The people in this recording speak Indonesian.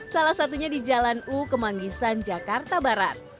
salah satunya di jalan u kemanggisan jakarta barat